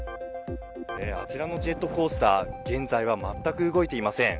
あちらのジェットコースター、現在は全く動いていません。